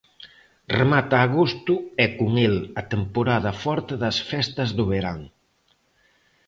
Remata agosto e con el a temporada forte das festas do verán.